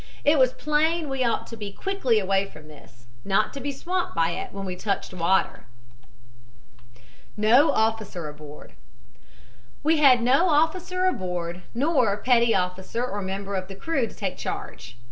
It was plain we ought to be quickly away from this, not to be swamped by it when we touched water. NO OFFICER ABOARD "We had no officer aboard, nor petty officer or member of the crew to take charge.